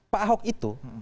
pak ahok itu